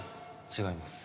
違います。